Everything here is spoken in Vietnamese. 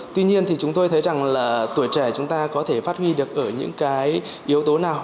tuy nhiên thì chúng tôi thấy rằng là tuổi trẻ chúng ta có thể phát huy được ở những cái yếu tố nào